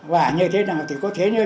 và như thế nào thì có thể